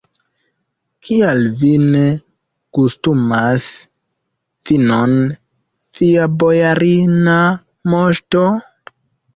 Kial vi ne gustumas vinon, via bojarina moŝto?